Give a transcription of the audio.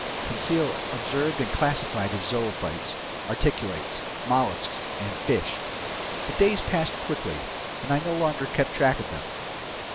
Conseil observed and classified his zoophytes, articulates, mollusks, and fish. The days passed quickly, and I no longer kept track of them.